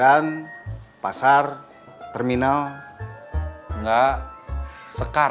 jangan tal commenting di kiri